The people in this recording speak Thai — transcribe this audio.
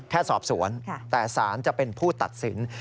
แค่สอบสวนแต่สารจะเป็นผู้ตัดสิน